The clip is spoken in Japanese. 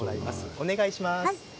お願いします。